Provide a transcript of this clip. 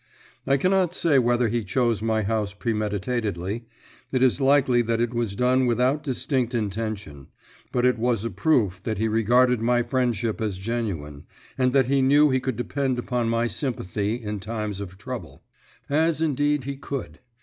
I cannot say whether he chose my house premeditatedly; it is likely that it was done without distinct intention, but it was a proof that he regarded my friendship as genuine, and that he knew he could depend upon my sympathy in times of trouble. As indeed he could.